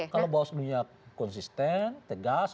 kalau bawaslunya konsisten tegas